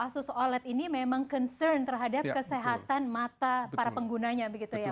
oke jadi artinya bahwa asus oled ini memang concern terhadap kesehatan mata para penggunanya